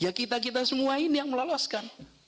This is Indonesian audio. ya kita kita semua ini yang meloloskan